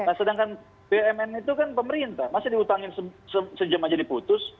nah sedangkan bumn itu kan pemerintah masih dihutangin sejam aja diputus